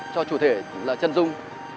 cho chủ thể là chân dung